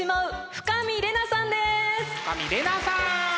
深見玲奈さん！